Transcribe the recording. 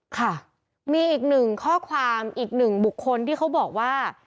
ค่ะมีอีกหนึ่งข้อความอีกหนึ่งบุคคลที่เขาบอกว่า